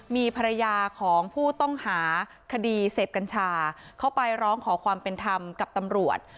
มีภรรยาของผู้ต้องหาคดีเสพกัญชาเขาไปร้องขอความเป็นธรรมกับตำรวจ